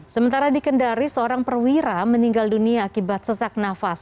sementara di kendari seorang perwira meninggal dunia akibat sesak nafas